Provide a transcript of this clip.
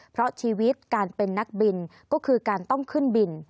เพราะชีวิตการเป็นนักบินก็คือการต้องขึ้นบิน